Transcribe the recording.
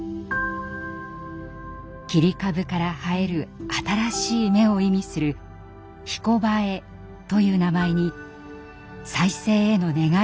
切り株から生える新しい芽を意味する「ひこばえ」という名前に再生への願いを込めています。